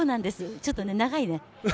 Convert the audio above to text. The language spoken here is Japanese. ちょっと長いね。